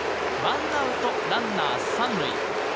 １アウトランナー３塁。